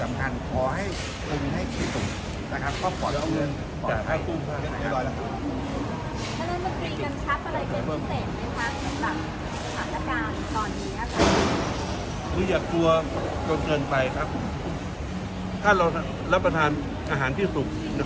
ไม่คุณอย่ากลัวตัวเกินไปครับถ้าเรารับประทานอาหารที่ศูกน่า